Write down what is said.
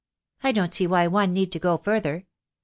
"I don't see why one need go further.